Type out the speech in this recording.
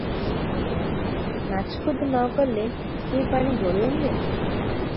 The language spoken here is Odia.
ନାଚକୁଦ ନ କଲେ କି ପାଣି ଗୋଳିଆ ହୁଏ?